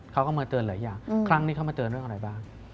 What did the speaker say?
เขาก็มาเตือนหลายอย่างครั้งนี้เข้ามาเตือนเรื่องอะไรบ้าง